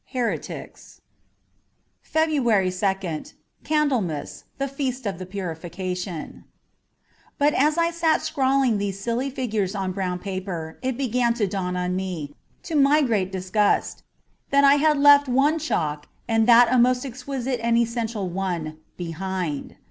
^Heretics.'' 35 FEBRUARY 2nd CANDLEMAS. THE FEAST OF THE PURIFICATION BUT as I sat scrawling these silly figures on brown paper, it began to dawn on me, to my great disgust, that I had left one chalk, and that a most exquisite and essential one, behind.